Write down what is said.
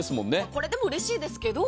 これでもうれしいですけど。